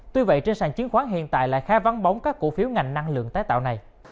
tuy vậy trên sàn chứng khoán hiện tại lại khá vắng bóng các cổ phiếu ngành năng lượng tái tạo này